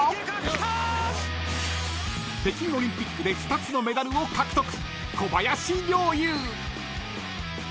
［北京オリンピックで２つのメダルを獲得］